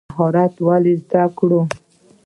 مهارت ولې زده کړو؟